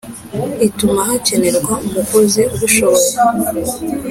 ituma hakenerwa umukozi ubishoboye